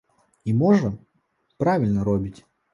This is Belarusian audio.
І, можа, правільна робіць.